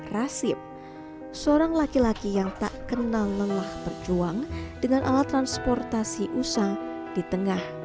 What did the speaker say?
rasim seorang laki laki yang tak kenal lelah berjuang dengan alat transportasi usang di tengah